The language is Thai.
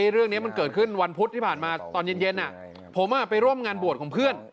เรื่องนี้มันเกิดขึ้นวันพุธที่ผ่านมาตอนเย็นผมไปร่วมงานบวชของเพื่อน